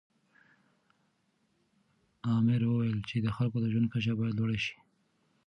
امر وویل چې د خلکو د ژوند کچه باید لوړه سي.